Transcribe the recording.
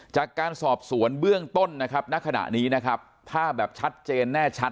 จากการสอบสวนเบื้องต้นนะครับณขณะนี้นะครับถ้าแบบชัดเจนแน่ชัด